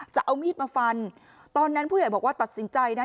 จะเอามีดมาฟันตอนนั้นผู้ใหญ่บอกว่าตัดสินใจนะ